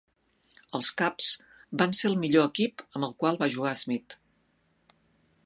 Els Cubs van ser el millor equip amb el qual va jugar Smith.